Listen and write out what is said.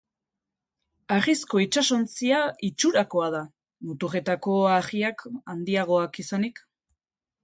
Harrizko itsasontzia itxurakoa da, muturretako harriak handiagoak izanik.